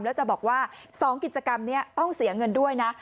แล้วจะบอกว่า๒กิจกรรมนี้ต้องเสียเงินด้วยนะ